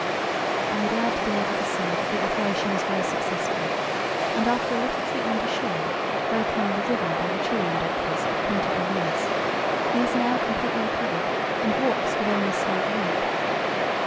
I am glad to be able to say that the operation was very successful, and after a little treatment ashore, very kindly given by the Chilian doctors at Punta Arenas, he has now completely recovered and walks with only a slight limp.